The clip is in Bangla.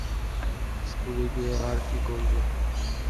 স্কুলে গিয়ে আর কি করবে?